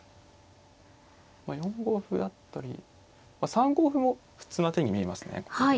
まあ４五歩だったりまあ３五歩も普通な手に見えますね。